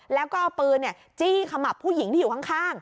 แล้วก็เอาปืนจี้ขมับผู้หญิงที่อยู่ข้าง